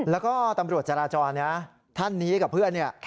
แล้วก็ตำรวจจราจรนะท่านนี้กับเพื่อนเนี่ย